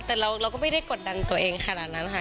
แต่เราก็ไม่ได้กดดันตัวเองขนาดนั้นค่ะ